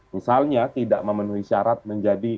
misalnya tidak memenuhi syarat menjadi